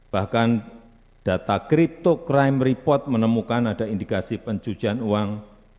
bahkan data crypto crime report menemukan ada indikasi pencucian uang